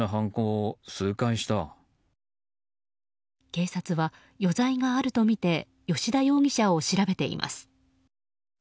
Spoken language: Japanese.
警察は余罪があるとみて吉田容疑者を調べています。